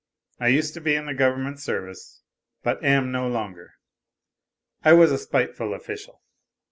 I used to be in the government service, but am no longer. I was a spiteful official.